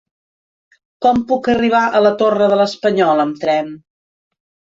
Com puc arribar a la Torre de l'Espanyol amb tren?